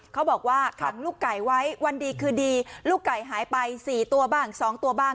เขาบอกว่าขังลูกไก่ไว้วันดีคืนดีลูกไก่หายไป๔ตัวบ้าง๒ตัวบ้าง